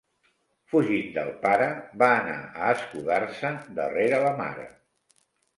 Fugint del pare va anar a escudar-se darrere la mare.